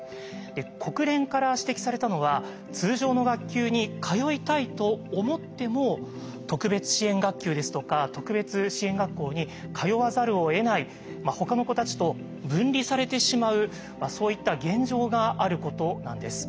国連から指摘されたのは通常の学級に通いたいと思っても特別支援学級ですとか特別支援学校に通わざるをえないほかの子たちと分離されてしまうそういった現状があることなんです。